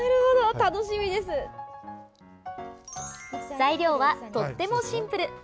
材料はとってもシンプル。